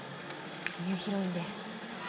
ニューヒロインです。